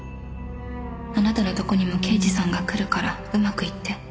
「あなたのとこにも刑事さんが来るからうまく言って」